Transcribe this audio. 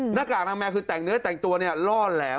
หน้ากากอนามัยคือแต่งเนื้อแต่งตัวล่อแหลม